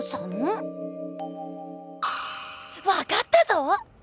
わかったぞ！